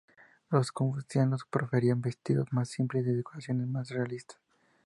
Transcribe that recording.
Los confucianos preferían vestidos más simples, y decoraciones más realistas.